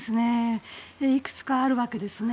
いくつかあるわけですね。